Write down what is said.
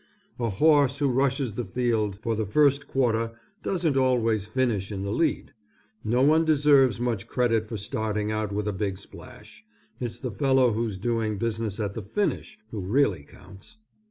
A horse who rushes the field for the first quarter doesn't always finish in the lead. No one deserves much credit for starting out with a big splash. It's the fellow who's doing business at the finish who really counts.